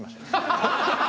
ハハハッ。